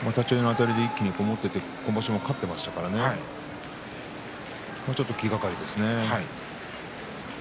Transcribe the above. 立ち合いのあたりで一気にいって勝っていましたからねちょっと気がかりですね。